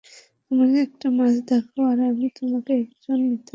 আমাকে একটা মাছ দেখাও, আর আমি তোমাকে একজন মিথ্যাবাদী দেখাব।